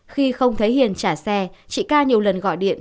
khi không thấy hiền trả xe chị ca nhiều lần gọi điện